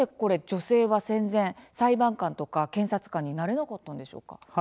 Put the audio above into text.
女性は戦前裁判官とか検察官になれなかったんでしょうか。